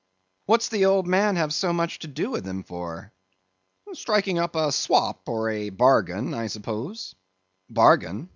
"What's the old man have so much to do with him for?" "Striking up a swap or a bargain, I suppose." "Bargain?